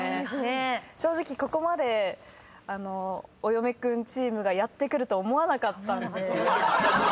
正直ここまでお嫁くんチームがやってくると思わなかったので。